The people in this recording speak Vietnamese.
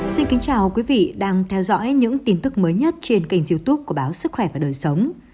xin kính chào quý vị đang theo dõi những tin tức mới nhất trên kênh youtube của báo sức khỏe và đời sống